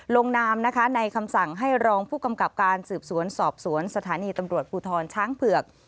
ลงนามนะคะในคำสั่งให้รองผู้กำกับการสืบสวนสอบสวนสถานีตำรวจภูทรช้างเผือก